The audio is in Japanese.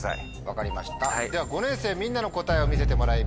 分かりましたでは５年生みんなの答えを見せてもらいましょう。